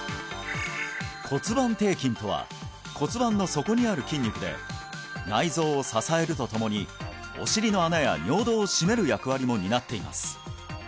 骨盤底筋とは骨盤の底にある筋肉で内臓を支えるとともにお尻の穴や尿道を締める役割も担っています